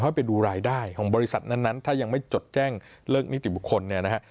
ให้ไปดูรายได้ของบริษัทนั้นถ้ายังไม่จดแจ้งเลิกนิติบุคคลเนี่ยนะฮะ